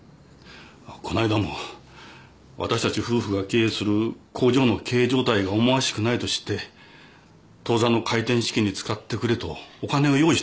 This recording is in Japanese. こないだもわたしたち夫婦が経営する工場の経営状態が思わしくないと知って当座の回転資金に使ってくれとお金を用意してくれたんですよ。